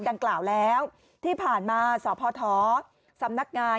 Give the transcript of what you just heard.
ดังกล่าวแล้วที่ผ่านมาสพสำนักงาน